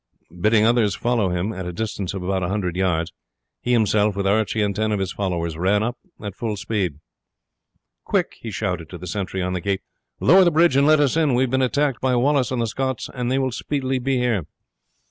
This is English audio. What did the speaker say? Bidding others follow him at a distance of about a hundred yards, he himself, with Archie and ten of his followers, ran up at full speed. "Quick!" he shouted to the sentry on the gate. "Lower the bridge and let us in. We have been attacked by Wallace and the Scots, and they will speedily be here."